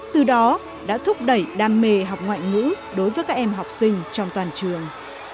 từ đó đã thúc đẩy đam mê học ngoại ngữ đối với các em học sinh trong toàn trường